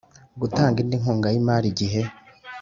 gutanga indi nkunga y imari igihe